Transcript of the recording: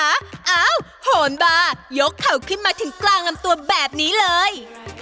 อ้าวโหนบายกเขาขึ้นมาถึงกลางลำตัวแบบนี้เลย